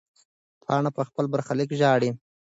پاڼه په خپل برخلیک ژاړي.